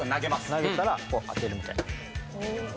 投げたら当てるみたいな。